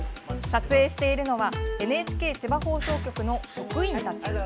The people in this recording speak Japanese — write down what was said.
撮影しているのはＮＨＫ千葉放送局の職員たち。